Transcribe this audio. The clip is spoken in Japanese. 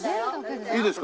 いいですか？